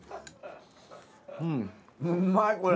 うまいこれ。